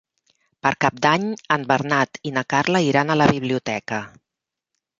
Per Cap d'Any en Bernat i na Carla iran a la biblioteca.